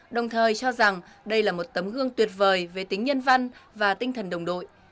đồng thời cho rằng đây là một tấm gương tuyệt vời về tính nhân văn và tinh thần đồng đội